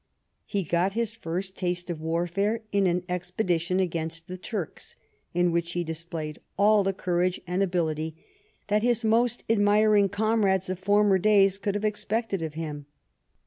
He got his first taste of warfare in an expedition against the Turks, in which he displayed all the courage and ability that his most admiring comrades of former days could have expected of him.